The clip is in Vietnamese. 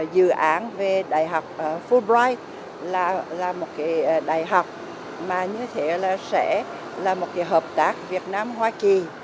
dự án về đại học fulbright là một đại học mà như thế là sẽ là một cái hợp tác việt nam hoa kỳ